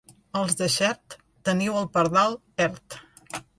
Els de Xert, teniu el pardal ert.